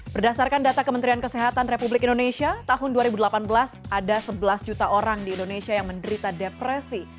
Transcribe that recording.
berdasarkan data kementerian kesehatan republik indonesia tahun dua ribu delapan belas ada sebelas juta orang di indonesia yang menderita depresi